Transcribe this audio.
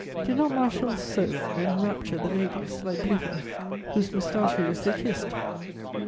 Did not Marshal Soult enrapture the ladies, like Blücher, whose mustachios they kissed?